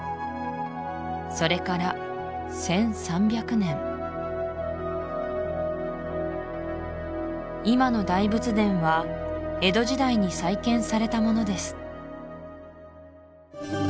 それから１３００年今の大仏殿は江戸時代に再建されたものです